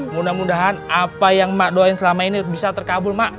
mudah mudahan apa yang mak doain selama ini bisa terkabul mak